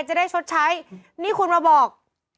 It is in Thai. สุดที่คุณมาบอก